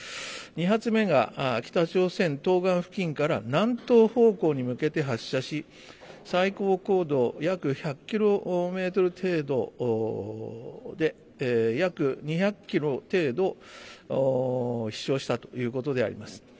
２発目が北朝鮮東岸付近から南東方向に向けて発射し最高高度約１００キロメートル程度で約２００キロ程度、飛しょうしたということであります。